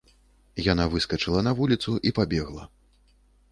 Яна выскачыла на вуліцу і пабегла.